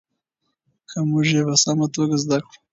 که موږ یې په سمه توګه زده کړو.